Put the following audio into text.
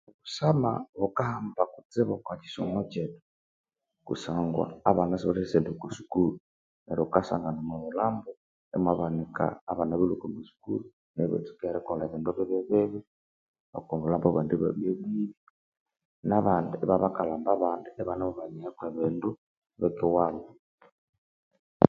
Obusama bukahamba kutsibu okwa kisomo kyethu kusangwa abana sibalithasyaghenda okwa masukuru neryo ghukasangana omwa bulhambu imwabanika abana abalhwe okwa masukuru neryo ibatsuka erikolha ebindu bibi okwa bulhambo abandi ibabya bibi na bandi ibabya bakalhamba abandi ibanemubanyeghako ebindu bikuwabo